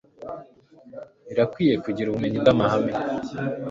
Birakwiriye kugira ubumenyi bw’amahame